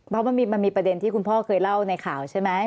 เพราะมันมีประเด็นที่คุณพ่อเคยเล่าในข่าวใช่ไหม